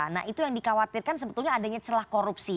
nah itu yang dikhawatirkan sebetulnya adanya celah korupsi